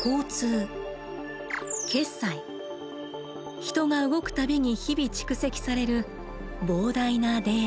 人が動く度に日々蓄積される膨大なデータ。